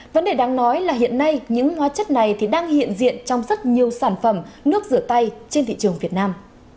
vấn đề đáng nói là hiện nay những hóa chất này đang hiện diện trong rất nhiều sản phẩm nước rửa tay trên thị trường việt nam